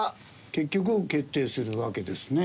結局決定するわけですね。